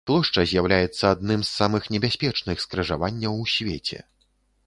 Плошча з'яўляецца адным з самых небяспечных скрыжаванняў у свеце.